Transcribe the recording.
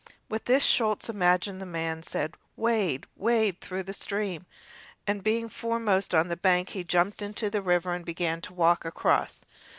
With this Schulz imagined the man said, "Wade, wade through the stream"; and, being foremost on the bank, he jumped into the river and began to walk across.